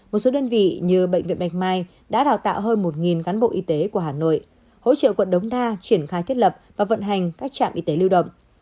một số đơn vị như bệnh viện bạch mai đã đào tạo hơn một cán bộ y tế của hà nội hỗ trợ quận đống đa triển khai thiết lập và vận hành các trạm y tế lưu động